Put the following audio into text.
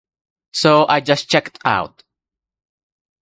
So I just checked out.